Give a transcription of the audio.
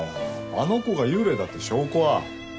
あの子が幽霊だって証拠は？